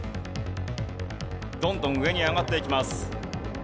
どんどん上に上がっていきます。